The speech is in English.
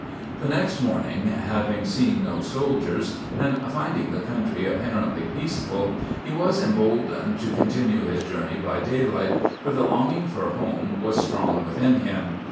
The next morning, having seen no soldiers, and finding the country apparently peaceful, he was emboldened to continue his journey by daylight, for the longing for home was strong within him.